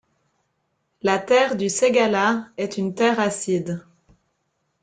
La terre du Ségala est une terre acide.